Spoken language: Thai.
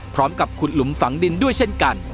พร้อมกับขุดหลุมฝังดินด้วยเช่นกัน